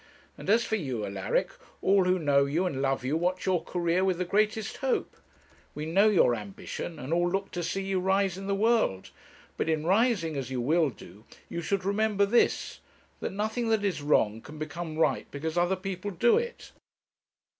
And as for you, Alaric, all who know you and love you watch your career with the greatest hope. We know your ambition, and all look to see you rise in the world. But in rising, as you will do, you should remember this that nothing that is wrong can become right because other people do it.'